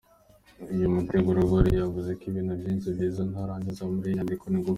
Uyu mutegarugori yavuze ibintu byinshi byiza ntarangiza muri iyi nyandiko ngufi.